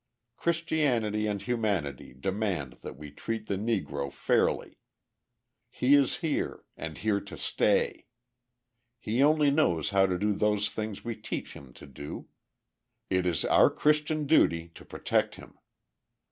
Christianity and humanity demand that we treat the Negro fairly. He is here, and here to stay. He only knows how to do those things we teach him to do; it is our Christian duty to protect him.